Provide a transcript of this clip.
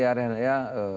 saya terserah ya